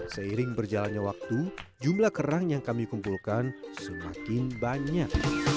seiring berjalannya waktu jumlah kerang yang kami kumpulkan semakin banyak